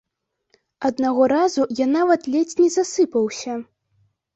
Аднаго разу я нават ледзь не засыпаўся.